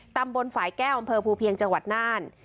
ตำบลฝ่ายแก้วอำเภอภูเพียงจังหวัดน่าน